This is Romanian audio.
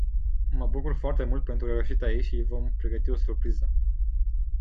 Mă bucur foarte mult pentru reușita ei și îi vom pregăti o surpriză.